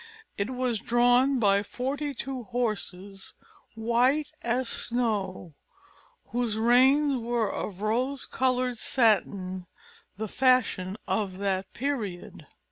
It was drawn by forty two horses, white as snow, whose reins were of rose coloured satin, the fashion of that period.